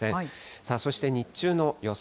さあそして日中の予想